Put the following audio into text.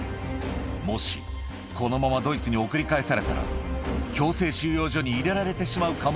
もし、このままドイツに送り返されたら、強制収容所に入れられてしまうか